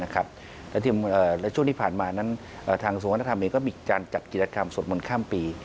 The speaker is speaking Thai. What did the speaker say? และช่วงนี้ผ่านมาทางสงวนธรรมนี้ก็มีจัดกิจกรรมสดมนต์ข้ามปี